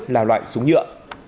là loại súng nhựa